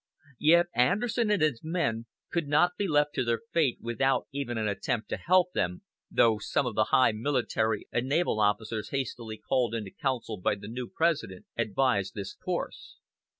Yet Anderson and his men could not be left to their fate without even an attempt to help them, though some of the high military and naval officers hastily called into council by the new President advised this course.